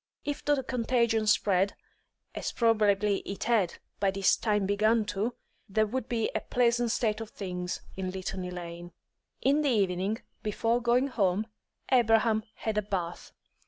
If the contagion spread, as probably it had by this time begun to, there would be a pleasant state of things in Litany Lane. In the evening, before going home, Abraham had a bath.